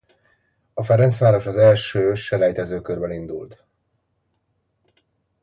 A Ferencváros az első selejtezőkörben indult.